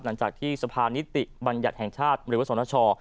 หลังจากที่สภานิติบัญญัติแห่งชาติหรือว่าสนช